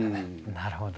なるほど。